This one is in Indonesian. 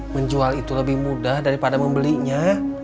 menjual itu lebih mudah daripada membelinya